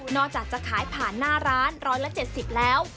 อกจากจะขายผ่านหน้าร้าน๑๗๐แล้ว